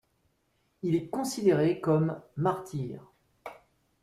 Il est considéré comme martyr.